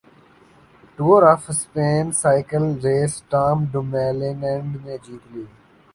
tour of Spain cycle race Tom ڈومیلینڈ نے جیت لی